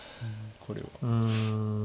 これは。